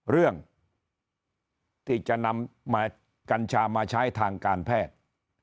เรื่องที่จะนำกัญชามาใช้ทางการแพทย์